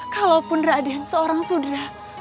kalaupun raden seorang sudra